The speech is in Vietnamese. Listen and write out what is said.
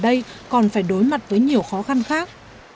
đây còn phải đối mặt với nhiều khó khăn khác